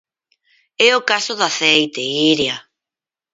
É o caso do aceite, Iria.